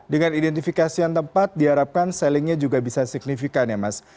dengan identifikasi yang tepat diharapkan sellingnya juga bisa signifikan ya mas